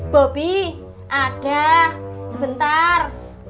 bobi ada sebentar